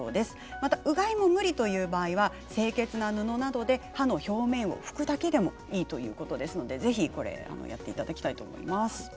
また、うがいも無理という場合は清潔な布などで歯の表面を拭くだけでもいいということですので、ぜひやっていただきたいと思います。